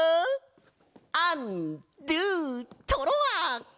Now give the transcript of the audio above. アンドゥトロワ！ホホホ！